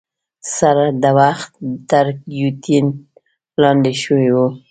سر د وخته تر ګیوتین لاندي شوی وو.